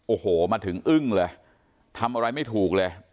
โอ้โหมาถึงอึ้งเลยทำอะไรไม่ถูกเลย